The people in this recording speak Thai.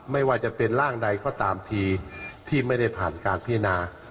ไม่ว่าจะเป็นร่างใดก็ตามทีที่ไม่ได้ผ่านการพินา